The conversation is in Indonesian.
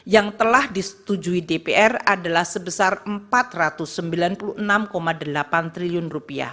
yang telah disetujui dpr adalah sebesar rp empat ratus sembilan puluh enam delapan triliun